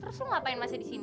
terus lo ngapain masa di sini